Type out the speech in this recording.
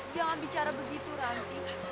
jangan bicara begitu ranti